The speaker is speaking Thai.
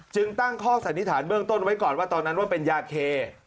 ตั้งข้อสันนิษฐานเบื้องต้นไว้ก่อนว่าตอนนั้นว่าเป็นยาเค